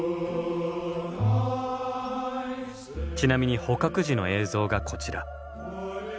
ちなみに捕獲時の映像がこちら。